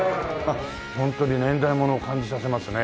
ホントに年代物を感じさせますね。